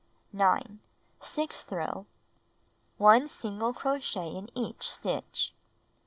9. Sixth row: 1 single crochet in each stitch.